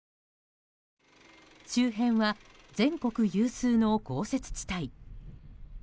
周辺は全国有数の豪雪地帯。